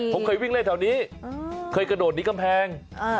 ผมเคยวิ่งเล่นแถวนี้เคยกระโดดหนีกำแพง